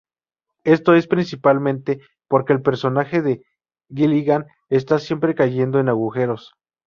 Esto es principalmente porque el personaje de Gilligan esta siempre cayendo en agujeros.